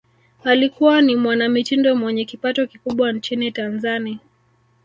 alikuwa ni mwanamitindo mwenye kipato kikubwa nchini tanzani